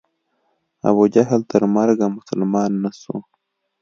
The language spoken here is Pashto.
ابو جهل تر مرګه مسلمان نه سو.